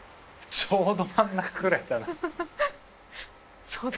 ちょうど真ん中ぐらいだな。